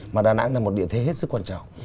mà đà nẵng là một địa thế hết sức quan trọng